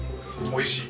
おいしい。